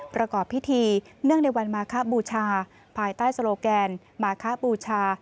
ประกอบพิธีเนื่องในวันมาคบูชาภายใต้โลแกนมาคบูชา